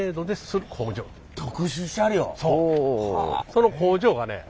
その工場がね